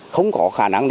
không có khả năng